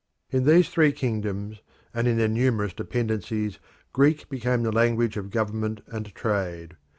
In these three kingdoms, and in their numerous dependencies, Greek became the language of government and trade.